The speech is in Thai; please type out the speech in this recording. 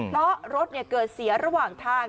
เพราะรถเกิดเสียระหว่างทาง